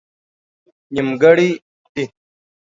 نيمګړئ دي